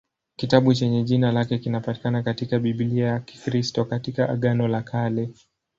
Kitabu chenye jina lake kinapatikana katika Biblia ya Kikristo katika Agano la Kale.